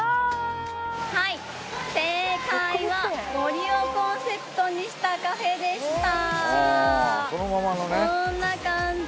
はい正解は森をコンセプトにしたカフェでした！